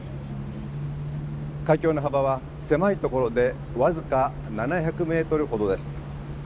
海峡の幅は狭いところで僅か７００メートルほどです。